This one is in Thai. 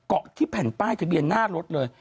เกาะที่แผ่นป้ายทะเบียนหน้ารถเลย